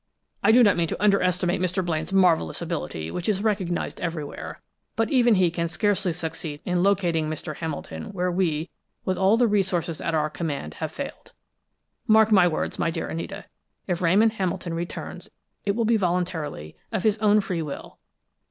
I do not mean to underestimate Mr. Blaine's marvelous ability, which is recognized everywhere, but even he can scarcely succeed in locating Mr. Hamilton where we, with all the resources at our command, have failed. Mark my words, my dear Anita; if Ramon Hamilton returns, it will be voluntarily, of his own free will.